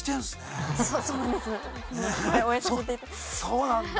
そうなんだ。